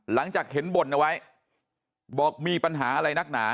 เข็นบ่นเอาไว้บอกมีปัญหาอะไรนักหนา